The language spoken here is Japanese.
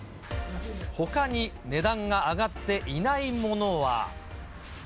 ほかに値段が上がっていないものは。